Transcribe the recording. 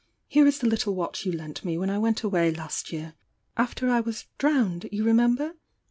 Here is the little watch you lent me when I went away last year after I was drowned, you remember?